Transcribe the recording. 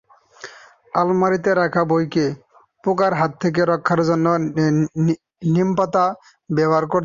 আলমারিতে রাখা বইকে পোকার হাত থেকে রক্ষার জন্য নিমপাতা ব্যবহার করতে পারো।